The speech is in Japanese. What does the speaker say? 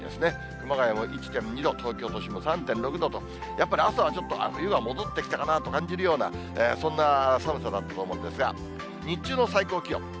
熊谷も１．２度、東京都心も３．６度と、やっぱり朝はちょっと冬が戻ってきたかなと感じるような、そんな寒さだったと思うんですが、日中の最高気温。